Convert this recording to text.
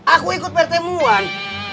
aku ikut pertemuan